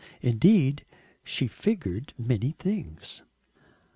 Indeed she figured many things.